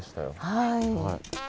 はい。